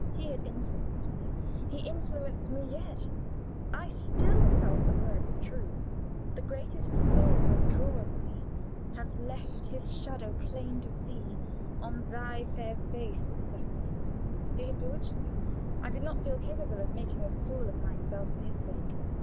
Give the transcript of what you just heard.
He had influenced me, he influenced me yet I still felt the words true: "The greater soul that draweth thee Hath left his shadow plain to see On thy fair face, Persephone!" He had bewitched me; I did feel capable of "making a fool of myself" for his sake.